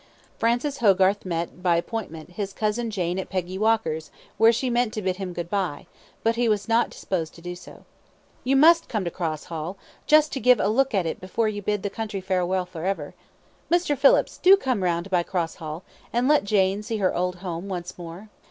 Francis Hogarth met, by appointment, his cousin Jane at Peggy Walker's, where she meant to bid him good bye, but he was not disposed to do so. "You MUST come to Cross Hall, just to give a look at it before you bid the country farewell for ever. Mr. Phillips, do come round by Cross Hall, and let Jane see her old home once more."